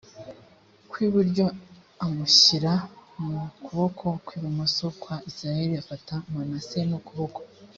kw iburyo amushyira mu kuboko kw ibumoso kwa isirayeli afata manase n ukuboko